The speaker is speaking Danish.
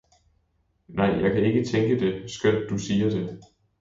Nej, jeg kan ikke tænke det, skønt du siger det.